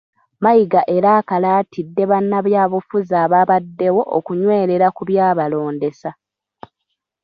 Mayiga era akalaatidde bannabyabufuzi ababaddewo okunywerera ku byabalondesa.